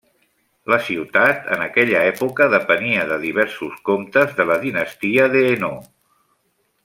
La ciutat en aquella època depenia de diversos comtes de la dinastia d'Hainaut.